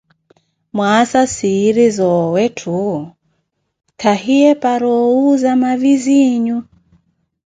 Mwaasa, siiri soowetthu khahiwe para owuuza maviziinyu.